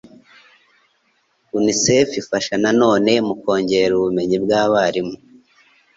Unicef ifasha nanone mu kongera ubumenyi bw'abarimu